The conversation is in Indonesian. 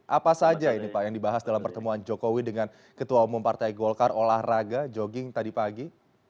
apa saja ini pak yang dibahas dalam pertemuan jokowi dengan ketua umum partai golkar olahraga jogging tadi pagi